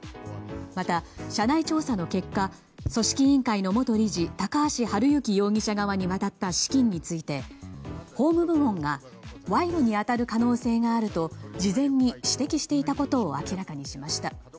また、社内調査の結果組織委員会の元理事高橋治之容疑者側に渡った資金について法務部門が賄賂に当たる可能性があると事前に指摘していたことを明らかにしました。